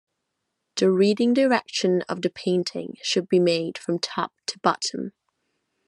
The reading direction of the painting should be made from top to bottom.